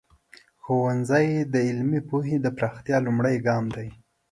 ښوونځی د علمي پوهې د پراختیا لومړنی ګام دی.